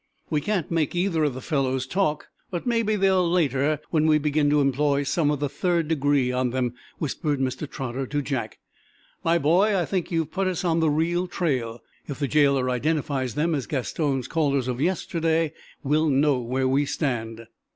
"We can't make either of the fellows talk, but maybe they will later, when we begin to employ some of the third degree on them," whispered Mr. Trotter to Jack. "My boy, I think you've put us on the real trail. If the jailer identifies them as Gaston's callers of yesterday, we'll know where we stand."